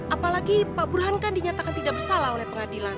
apalagi pak burhan kan dinyatakan tidak bersalah oleh pengadilan